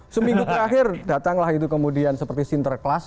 seminggu terakhir datanglah itu kemudian seperti sinterklas